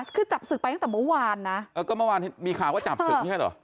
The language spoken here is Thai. คือจับศึกไปตั้งแต่เมื่อวานนะเออก็เมื่อวานมีข่าวว่าจับศึกไม่ใช่เหรอ